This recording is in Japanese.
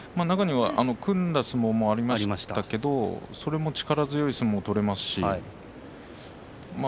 組んだ相撲もありましたけれどもそれも力強い相撲が取れました。